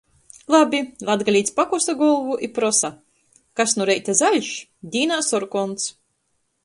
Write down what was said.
Labi! Latgalīts pakosa golvu i prosa: - Kas nu reita zaļš, dīnā sorkons.